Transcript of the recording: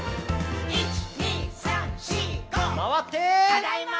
「ただいま！」